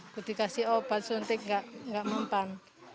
kutikasi obat suntik enggak mempan